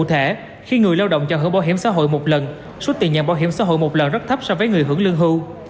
nếu người lao động cho hưởng bảo hiểm xã hội một lần suất tiền nhận bảo hiểm xã hội một lần rất thấp so với người hưởng lương hưu